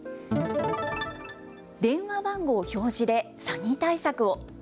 電話番号表示で詐欺対策を。